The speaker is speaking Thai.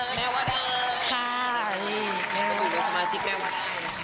แม่ว่าได้ค่ะ